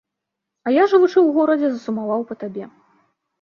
А я, жывучы ў горадзе, засумаваў па табе.